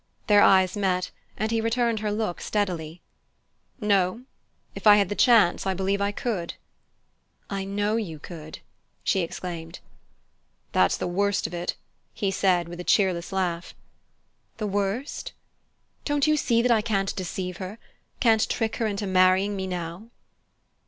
Their eyes met, and he returned her look steadily. "No; if I had the chance, I believe I could." "I know you could!" she exclaimed. "That's the worst of it," he said with a cheerless laugh. "The worst ?" "Don't you see that I can't deceive her? Can't trick her into marrying me now?"